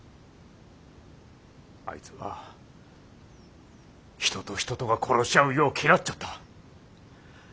あいつは人と人とが殺し合う世を嫌っちょった。